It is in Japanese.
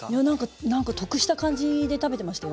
何か得した感じで食べてましたよ